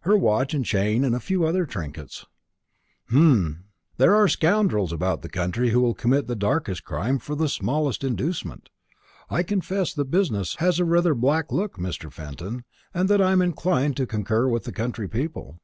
"Her watch and chain and a few other trinkets." "Humph! There are scoundrels about the country who will commit the darkest crime for the smallest inducement. I confess the business has rather a black look, Mr. Fenton, and that I am inclined to concur with the country people."